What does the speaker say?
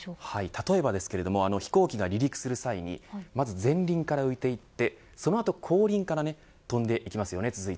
例えばですけれども飛行機が離陸する際にまず前輪から浮いていってそのあと後輪から飛んでいきますよね。